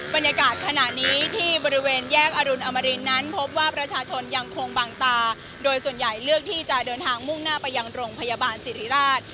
บรรยากาศขณะนี้ที่บริเวณแยกอรุณอมรินนั้นพบว่าประชาชนยังคงบางตาโดยส่วนใหญ่เลือกที่จะเดินทางมุ่งหน้าไปยังโรงพยาบาลสิริราช